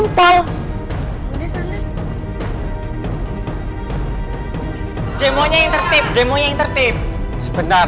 mas joko keluar